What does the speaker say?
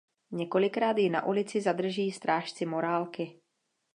Několikrát ji na ulici zadrží strážci morálky.